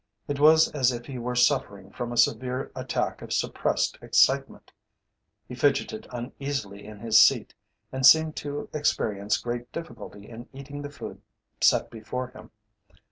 It was as if he were suffering from a severe attack of suppressed excitement. He fidgeted uneasily in his seat, and seemed to experience great difficulty in eating the food set before him.